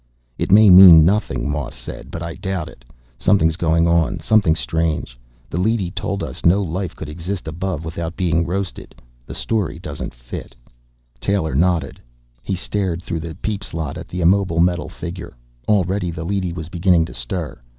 "It may mean nothing," Moss said, "but I doubt it. Something's going on, something strange. The leady told us no life could exist above without being roasted. The story doesn't fit." Taylor nodded. He stared through the peep slot at the immobile metal figure. Already the leady was beginning to stir.